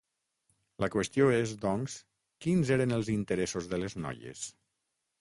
La qüestió és, doncs, quins eren els interessos de les noies?